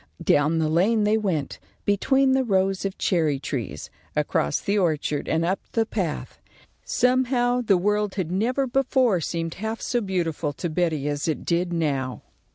Down the lane they went, between the rows of cherry trees; across the orchard and up the path. Somehow the world had never before seemed half so beautiful to Betty as it did now.